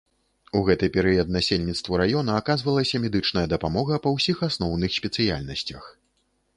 У гэты перыяд насельніцтву раёна аказвалася медычная дапамога па ўсіх асноўных спецыяльнасцях.